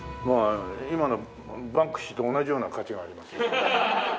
まあ今のバンクシーと同じような価値があります。